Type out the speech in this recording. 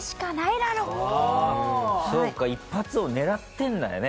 そうか一発を狙ってるんだよね